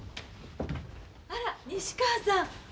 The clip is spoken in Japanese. あら西川さん。